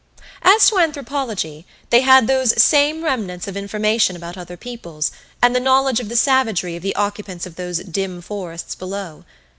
As to anthropology, they had those same remnants of information about other peoples, and the knowledge of the savagery of the occupants of those dim forests below.